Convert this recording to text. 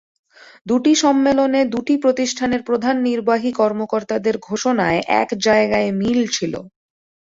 দুটি সম্মেলনে দুটি প্রতিষ্ঠানের প্রধান নির্বাহী কর্মকর্তাদের ঘোষণায় এক জায়গায় মিল ছিল।